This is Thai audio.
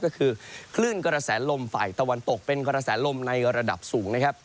ก็คือคลื่นกระแสลมฝ่ายตะวันตกเป็นกระแสลมในระดับสูงนะครับ